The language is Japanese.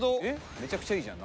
めちゃくちゃいいじゃん。